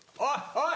おい。